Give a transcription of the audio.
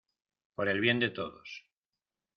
por el bien de todos.